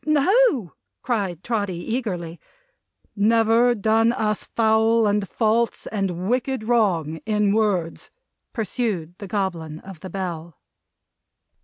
"No!" cried Trotty, eagerly. "Never done us foul, and false, and wicked wrong, in words?" pursued the Goblin of the Bell.